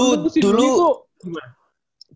kalau dulu si widi tuh gimana